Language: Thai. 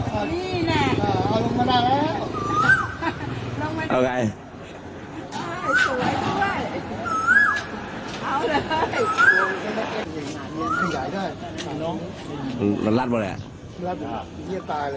มันรัดไหมรัดตายเลยตายเลย